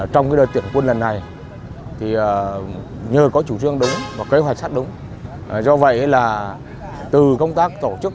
trong đợt tuyển quân lần này nhờ có chủ trương đúng và kế hoạch sát đúng do vậy là từ công tác tổ chức